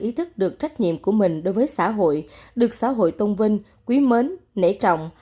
ý thức được trách nhiệm của mình đối với xã hội được xã hội tôn vinh quý mến nể trọng